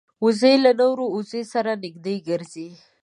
وزې له نورو وزو سره نږدې ګرځي